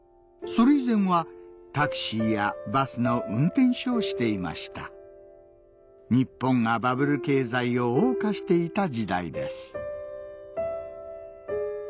それ以前はタクシーやバスの運転手をしていました日本がバブル経済を謳歌していた時代です